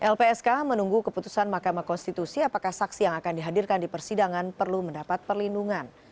lpsk menunggu keputusan mahkamah konstitusi apakah saksi yang akan dihadirkan di persidangan perlu mendapat perlindungan